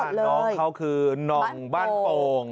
น้องเขาคือนองบ้านโป่ง